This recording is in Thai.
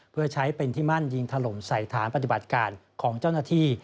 เพื่อใช้เป็นที่มั่นยิงถล่มใส่ฐานปฏิบัติการของเจ้าหน้าที่